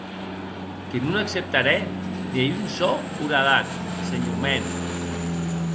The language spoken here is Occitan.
Que non acceptarè ne un sò horadat, senhor mèn.